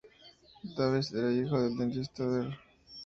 Davis era hijo de un dentista, Dr.